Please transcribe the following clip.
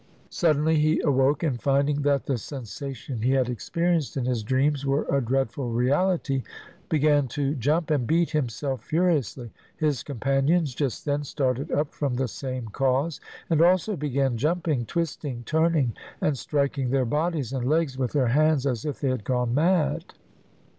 Suddenly he awoke, and finding that the sensation he had experienced in his dreams were a dreadful reality, began to jump and beat himself furiously. His companions, just then, started up from the same cause, and also began jumping, twisting, turning, and striking their bodies and legs with their hands as if they had gone mad.